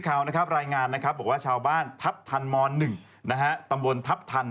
ข่าวนะครับรายงานนะครับบอกว่าชาวบ้านทัพทันม๑ตำบลทัพทัน